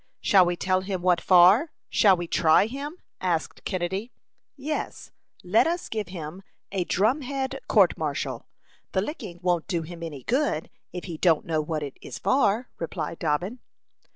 "Shall we tell him what for? Shall we try him?" asked Kennedy. "Yes; let us give him a drum head court martial. The licking won't do him any good if he don't know what it is for," replied Dobbin.